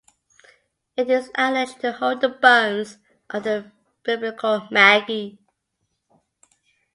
It is alleged to hold the bones of the Biblical Magi.